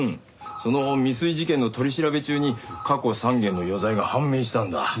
その未遂事件の取り調べ中に過去３件の余罪が判明したんだ。